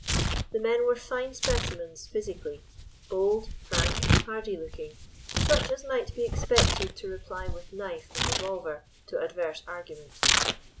The men were fine specimens physically, bold, frank, hardy looking, such as might be expected to reply with knife and revolver to adverse argument.